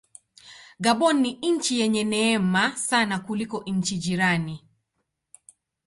Gabon ni nchi yenye neema sana kuliko nchi jirani.